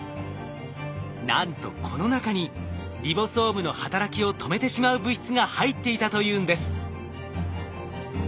なんとこの中にリボソームの働きを止めてしまう物質が入っていたというんです！